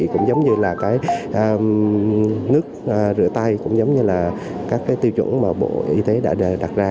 cũng giống như là nước rửa tay cũng giống như là các tiêu chuẩn mà bộ y tế đã đặt ra